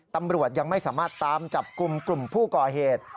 ตำรวจยังไม่สามารถตามจับกลุ่มกลุ่มผู้ก่อเหตุ